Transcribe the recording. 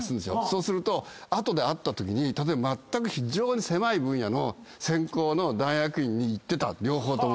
そうすると後で会ったときに非常に狭い分野の専攻の大学院に行ってた両方とも。